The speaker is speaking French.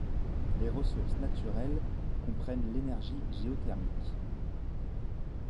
Les ressources naturelles comprennent l'énergie géothermique.